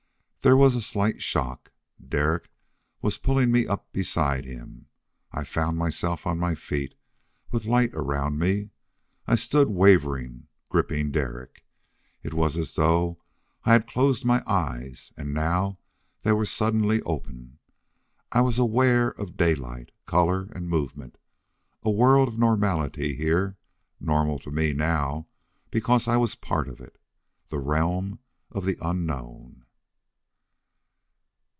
There was a slight shock. Derek was pulling me up beside him. I found myself on my feet, with light around me. I stood wavering, gripping Derek. It was as though I had closed my eyes, and now they were suddenly open. I was aware of daylight, color, and movement. A world of normality here, normal to me now because I was part of it. The realm of the unknown!